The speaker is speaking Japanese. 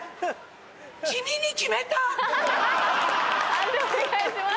判定お願いします。